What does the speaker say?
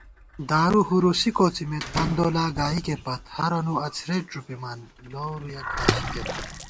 دارُو ہُرُوسی کوڅِمېت، تندولا گائیکےپت * ہرَنُو اڅَھرېت ݫُپِمان لَورُیَہ کھانشِکےپت